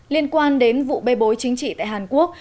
liên quan đến vụ bê bối chính trị tại hàn quốc